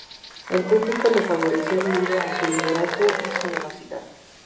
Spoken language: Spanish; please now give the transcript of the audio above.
El público le favoreció debido a su liderazgo y generosidad.